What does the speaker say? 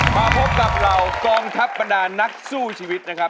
มาพบกับเรากองทัพบรรดานักสู้ชีวิตนะครับ